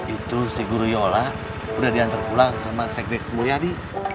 itu si guru yola udah diantar pulang sama sekdes mulyadi